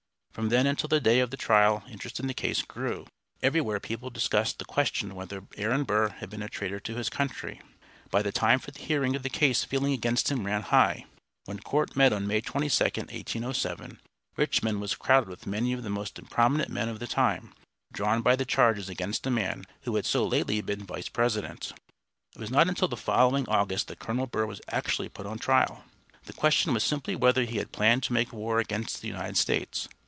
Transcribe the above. From then until the day of the trial interest in the case grew. Everywhere people discussed the question whether Aaron Burr had been a traitor to his country. By the time for the hearing of the case feeling against him ran high. When court met on May 22, 1807, Richmond was crowded with many of the most prominent men of the time, drawn by the charges against a man who had so lately been Vice President. It was not until the following August that Colonel Burr was actually put on trial. The question was simply whether he had planned to make war against the United States.